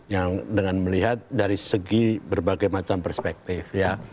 yang dengan melihat dari segi berbagai macam perspektif ya